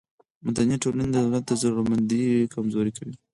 مدني ټولنې د دولت زورمندي کمزورې کوي.